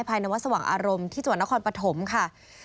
ภายเนื้อวัดสว่างอารมน์ที่จิฯวรณคลปฐมค่ะ